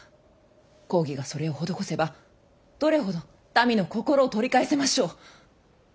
公儀がそれを施せばどれほど民の心を取り返せましょう。